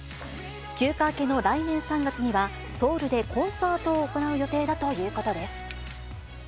休暇明けの来年３月には、ソウルでコンサートを行う予定だということです。